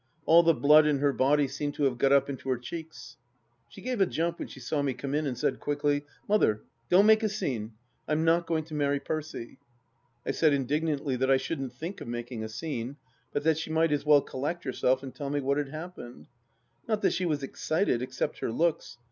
All the blood in her body seemed to have got up into her cheeks. She gave a jump when she saw me come in and said, quickly :" Mother, don't make a scene. I'm not going to marry Percy." I said indignantly that I shouldn't think of making a scene, but that she might as well collect herself and tell me what had happened. Not that she was excited, except her looks.